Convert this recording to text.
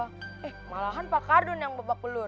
eh malahan pak ardun yang bebak pelur